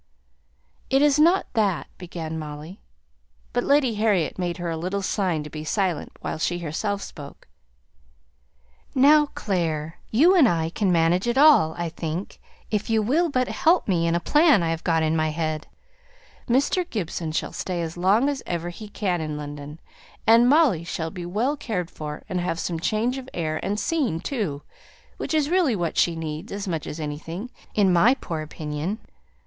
"It is not that," began Molly; but Lady Harriet made her a little sign to be silent while she herself spoke. "Now, Clare! you and I can manage it all, I think, if you will but help me in a plan I've got in my head. Mr. Gibson shall stay as long as ever he can in London; and Molly shall be well cared for, and have some change of air and scene too, which is really what she needs as much as anything, in my poor opinion.